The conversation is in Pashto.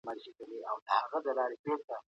زغم د بریالیتوب راز دی.